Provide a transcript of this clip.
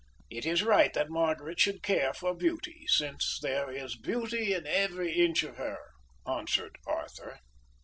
"It is right that Margaret should care for beauty, since there is beauty in every inch of her," answered Arthur.